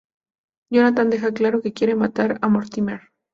Jonathan deja claro que quiere matar a Mortimer.